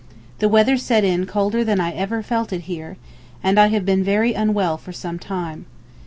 The weather set in colder than I ever felt it here, and I have been very unwell for some time.